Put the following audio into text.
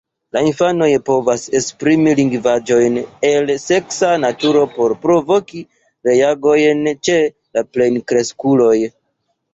La infanoj povas esprimi lingvaĵon el seksa naturo por provoki reagojn ĉe la plenkreskuloj.